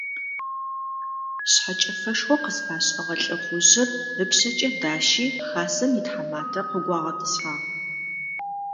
Шъхьэкӏэфэшхо къызфашӏыгъэ лӏыхъужъыр ыпшъэкӏэ дащи хасэм итхьэматэ къыгуагъэтӏысхьагъ.